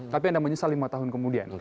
tapi anda menyesal lima tahun kemudian